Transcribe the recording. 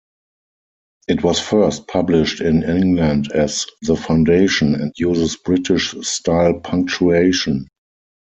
It was first published in England as "The Foundation" and uses British-style punctuation.